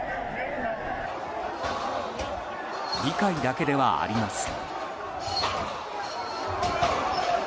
議会だけではありません。